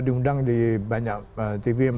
diundang di banyak tv